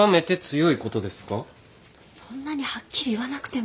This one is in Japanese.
そんなにはっきり言わなくても。